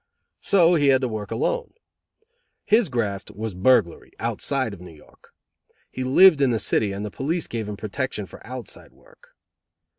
So he had to work alone. His graft was burglary, outside of New York. He lived in the city, and the police gave him protection for outside work.